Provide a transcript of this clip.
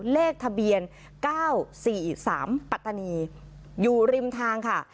เลขทะเบียนเก้าสี่สามปัตตานีอยู่ริมทางค่ะ